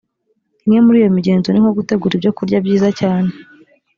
imwe muri iyo migenzo ni nko gutegura ibyo kurya byiza cyane